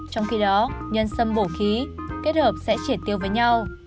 trong khi đó nhân sâm bổ khí kết hợp sẽ triển tiêu với nhau